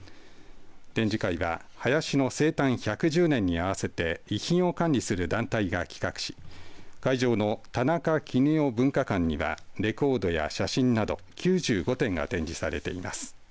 展示会は林の生誕１１０年に合わせて遺品を管理する団体が企画し会場の田中絹代ぶんか館にはレコードや写真など９５点が展示されています。